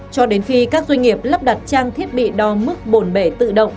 cho đến khi các doanh nghiệp lắp đặt trang thiết bị đo mức bồn bể tự động